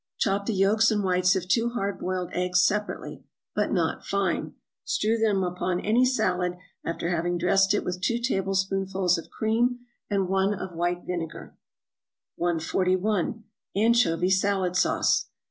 = Chop the yolks and whites of two hard boiled eggs separately, but not fine; strew them upon any salad after having dressed it with two tablespoonfuls of cream, and one of white vinegar. 141. =Anchovy Salad Sauce.